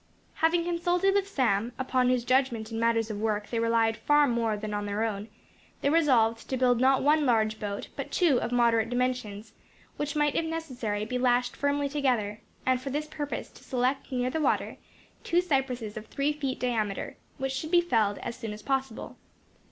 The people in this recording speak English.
Having consulted with Sam, upon whose judgment in matters of work they relied far more than on their own, they resolved to build not one large boat but two of moderate dimensions, which might if necessary be lashed firmly together; and for this purpose to select near the water two cypresses of three feet diameter, which should be felled as soon as possible.